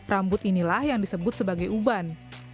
rambut inilah yang disebut sebagai uban